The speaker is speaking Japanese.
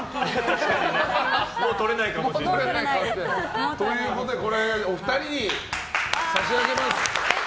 もうとれないかもしれない。ということでお二人に差し上げます。